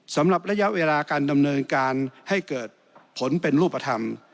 สำหรับระยะเวลาการดำเนินการให้เกิดผลเป็นรูปธรรม